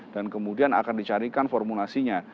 kemudian akan dicarikan formulasinya